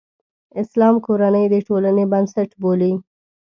اسلام کورنۍ د ټولنې بنسټ بولي.